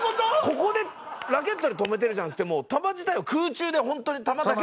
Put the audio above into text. ここでラケットで止めてるんじゃなくてもう球自体を空中でホントに球だけ。